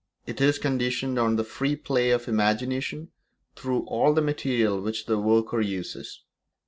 It is conditioned on the free play of the imagination through all the material which the worker uses.